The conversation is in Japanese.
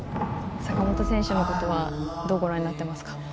坂本選手のことはどうご覧になってますか？